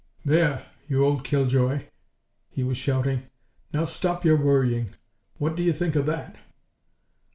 "There, you old killjoy!" he was shouting. "Now stop your worrying. What do you think of that?"